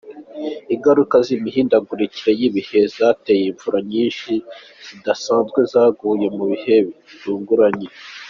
Ingaruka z’imihindagurikire y’ibihe zateye imvura nyinshi zidasanzwe zaguye mu bihe bitunguranye.